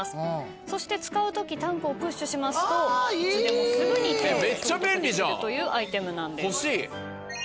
そして使うときタンクをプッシュしますといつでもすぐに手を消毒できるというアイテムです。